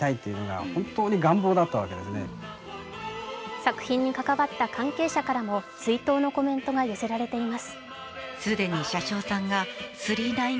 作品に関わった関係者からも追悼のコメントが寄せられています。